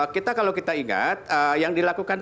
kita kalau kita ingat yang dilakukan